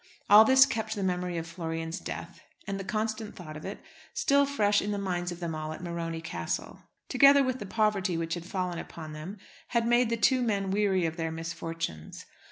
All this kept the memory of Florian's death, and the constant thought of it, still fresh in the minds of them all at Morony Castle, together with the poverty which had fallen upon them, had made the two men weary of their misfortunes.